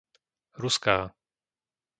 Ruská